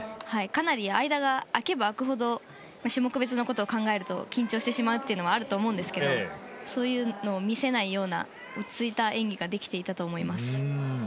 間が空けば空くほど種目別のことを考えると緊張してしまうこともあると思うんですけどそういうのを見せないような落ちついた演技ができていたような気がします。